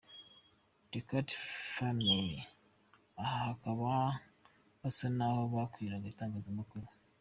The Carter Family” aha bakaba basa n’aho babwiraga itangazamakuru.